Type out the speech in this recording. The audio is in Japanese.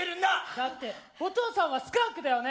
だってお父さんはスカンクだよね？